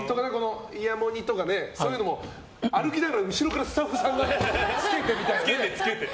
イヤモニとか、そういうのも歩きながら後ろからスタッフさんがついてみたいなね。